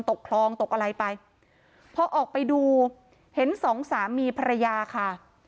ตกคลองตกอะไรไปพอออกไปดูเห็นสองสามีภรรยาค่ะ